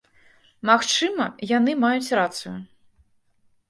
Магчыма, яны маюць рацыю.